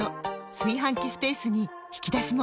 炊飯器スペースに引き出しも！